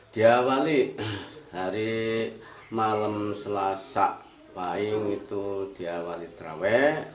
diawali hari malam selasa pahing itu diawali trawe